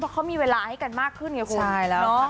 เพราะเขามีเวลาให้กันมากขึ้นไงคุณใช่แล้วเนอะ